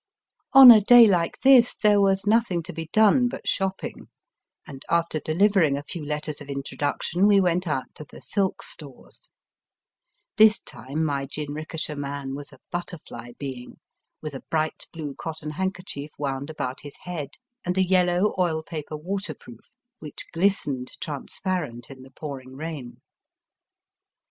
On a day like this there was nothing to be done but shopping, and after delivering a few letters of introduction we went out to the silk stores. This time my jinrikisha man was a butterfly being, with a bright blue cotton handkerchief wound about his head and a Digitized by VjOOQIC 9^m^ 192 EAST BY WEST. yellow oil paper waterproof which glistened transparent in the pouring rain.